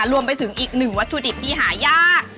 รวมไปถึงอีกหนึ่งวัตถุดิบที่หายาก